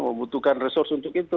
membutuhkan resursi untuk itu